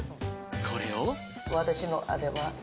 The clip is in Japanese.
これを。